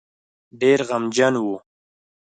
ډېر غمجن وو.